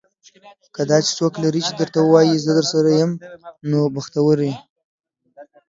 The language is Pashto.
که داسې څوک لرې چې درته وايي, زه درسره یم. نو بختور یې.